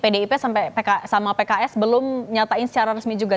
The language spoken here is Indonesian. pdip sama pks belum nyatain secara resmi juga